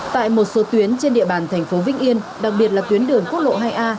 tại một số tuyến trên địa bàn thành phố vĩnh yên đặc biệt là tuyến đường quốc lộ hai a